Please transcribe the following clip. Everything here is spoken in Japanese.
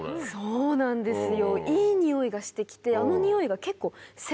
そうなんですよ。